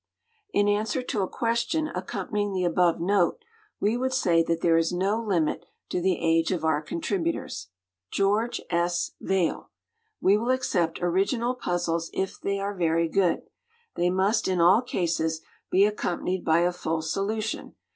In answer to a question accompanying the above note, we would say that there is no limit to the age of our contributors. GEORGE S. VAIL. We will accept original puzzles if they are very good. They must, in all cases, be accompanied by a full solution.